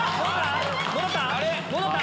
戻った！